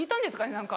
何か。